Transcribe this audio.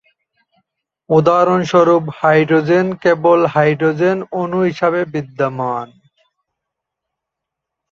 উদাহরণস্বরূপ, হাইড্রোজেন কেবল হাইড্রোজেন অণু হিসাবে বিদ্যমান।